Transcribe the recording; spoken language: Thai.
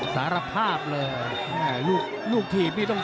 หันใบหนึ่ง